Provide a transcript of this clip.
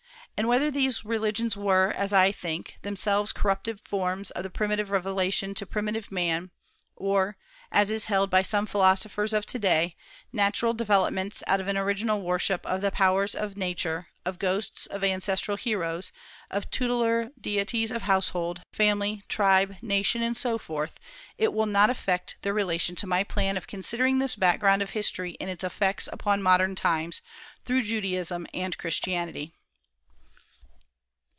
And whether these religions were, as I think, themselves corrupted forms of the primitive revelation to primitive man, or, as is held by some philosophers of to day, natural developments out of an original worship of the powers of Nature, of ghosts of ancestral heroes, of tutelar deities of household, family, tribe, nation, and so forth, it will not affect their relation to my plan of considering this background of history in its effects upon modern times, through Judaism and Christianity.